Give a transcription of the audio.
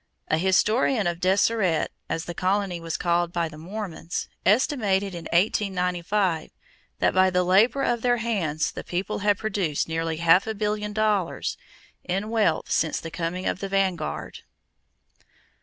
A historian of Deseret, as the colony was called by the Mormons, estimated in 1895 that by the labor of their hands the people had produced nearly half a billion dollars in wealth since the coming of the vanguard.